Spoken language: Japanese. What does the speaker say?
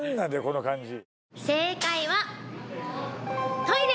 この感じ